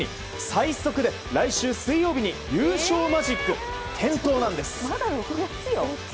最速で、来週水曜日に優勝マジック点灯なんです。